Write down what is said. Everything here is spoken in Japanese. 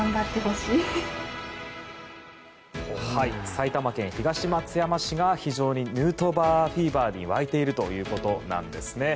埼玉県東松山市が非常にヌートバーフィーバーに沸いているということなんですね。